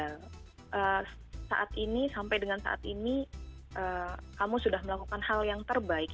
karena saat ini sampai dengan saat ini kamu sudah melakukan hal yang terbaik